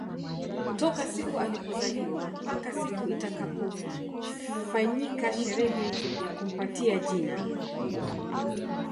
Toka siku alipozaliwa mpaka siku itakapofanyika sherehe ya kumpatia jina